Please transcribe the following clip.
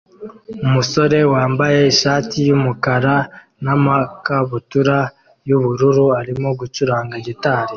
Umusore wambaye ishati yumukara namakabutura yubururu arimo gucuranga gitari